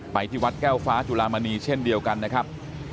ไปที่วัดแก้วฟ้าจุลามณีเช่นเดียวกันนะครับ